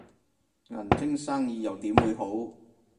銀晶生意又點會好